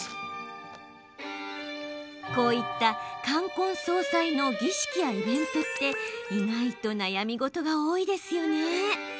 こういった冠婚葬祭の儀式やイベントって意外と悩み事が多いですよね。